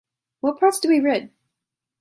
What parts do we rid?